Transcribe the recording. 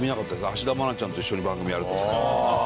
芦田愛菜ちゃんと一緒に番組やるとかね。